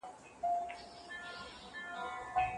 ټولنپوهنه د فرد او ټولنې ترمنځ اړیکې ښودنه کوي.